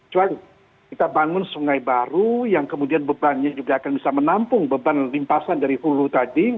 kecuali kita bangun sungai baru yang kemudian bebannya juga akan bisa menampung beban limpasan dari hulu tadi